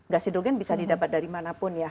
gas hidrogen bisa didapat dari mana pun ya